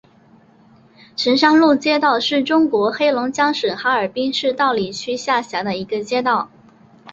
城乡路街道是中国黑龙江省哈尔滨市道里区下辖的一个街道。